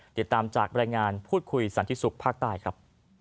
เดี๋ยวตามจากแรงงานพูดคุยสันทิศุกร์ภาคใต้ครับ